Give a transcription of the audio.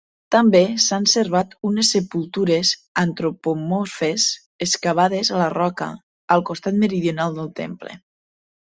També s'han servat unes sepultures antropomorfes, excavades a la roca, al costat meridional del temple.